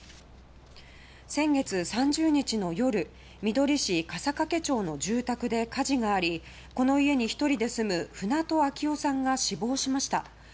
先月３０日の夜みどり市笠懸町の住宅で火事がありこの家に１人で住む船戸秋雄さんが死亡しました。